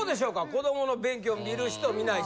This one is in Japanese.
子どもの勉強見る人見ない人。